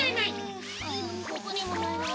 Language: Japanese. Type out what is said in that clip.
ここにもないな。